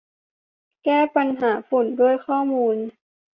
แก้ปัญหาฝุ่นด้วยข้อมูล